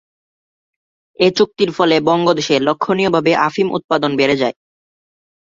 এ চুক্তির ফলে বঙ্গদেশে লক্ষণীয়ভাবে আফিম উৎপাদন বেড়ে যায়।